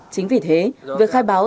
chính vì thế việc khai báo